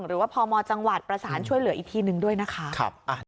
พมจังหวัดประสานช่วยเหลืออีกทีนึงด้วยนะคะ